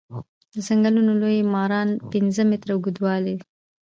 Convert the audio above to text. د ځنګلونو لوی ماران پنځه متره اوږديدل.